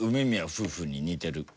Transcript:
夫婦に似てる。